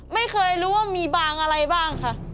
ไม่รู้ว่ามีบางอะไรบ้างค่ะ